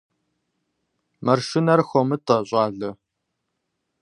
Мэршынэр хуомытӏэ, щӏалэ!